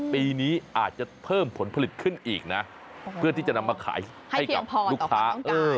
ปีนี้อาจจะเพิ่มผลผลิตขึ้นอีกนะเพื่อที่จะนำมาขายให้กับลูกค้า